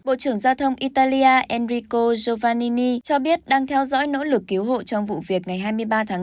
bộ trưởng giao thông italia enrico jovnini cho biết đang theo dõi nỗ lực cứu hộ trong vụ việc ngày hai mươi ba tháng bốn